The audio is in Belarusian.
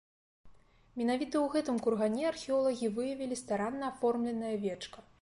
Менавіта ў гэтым кургане археолагі выявілі старанна аформленае вечка.